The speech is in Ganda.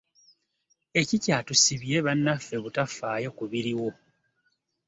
Ekikyatusibye bannaffe butafaayo ku biriwo.